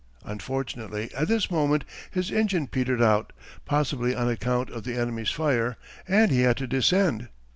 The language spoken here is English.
Unfortunately at this moment his engine petered out, possibly on account of the enemy's fire, and he had to descend.